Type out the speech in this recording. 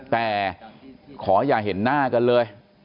แต่ขออย่าเห็นหน้ากันเลย